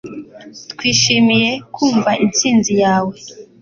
Twishimiye kumva intsinzi yawe